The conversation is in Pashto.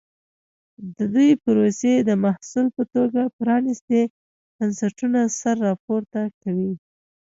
د ودې پروسې د محصول په توګه پرانیستي بنسټونه سر راپورته کوي.